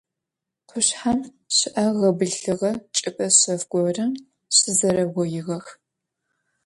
Къушъхьэм щыӏэ гъэбылъыгъэ чӏыпӏэ шъэф горэм щызэрэугъоигъэх.